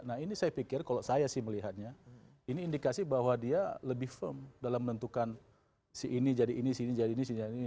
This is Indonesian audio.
nah ini saya pikir kalau saya sih melihatnya ini indikasi bahwa dia lebih firm dalam menentukan si ini jadi ini si ini jadi ini sinya ini